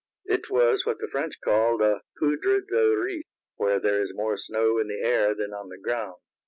It was what the French called a poudre de riz, where there is more snow in the air than on the ground.